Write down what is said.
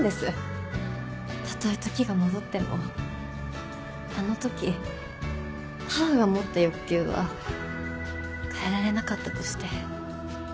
たとえ時が戻ってもあのとき母が持った欲求は変えられなかったとして。